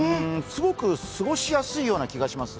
すごく過ごしやすいような気がします。